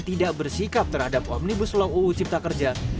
tidak bersikap terhadap omnibus law uu cipta kerja